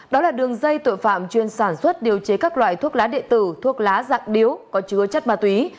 đó là đường dây tội phạm chuyên sản xuất điều chế các loại thuốc lá địa tử thuốc lá dạng điếu có chứa chất ma túy